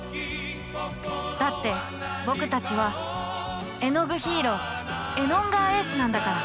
だって僕たちはえのぐヒーローエノンガーＡなんだから。